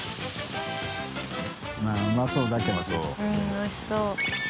おいしそう。